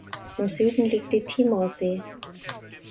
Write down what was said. Im Süden liegt die Timorsee.